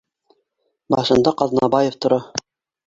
Башында Ҡаҙнабаев тора